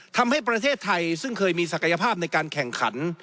ทำให้ประเทศไทยซึ่งเคยมีศักยภาพในการแข่งขัน